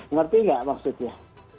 ngerti nggak maksudnya